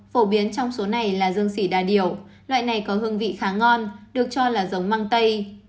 phổ biến trong số này là dương sỉ đa điểu loại này có hương vị khá ngon được cho là giống măng tây